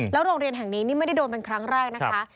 โรงเรียนแห่งนี้นี่ไม่ได้โดนเป็นครั้งแรกนะคะ